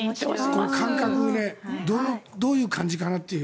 感覚でどういう感じかなって。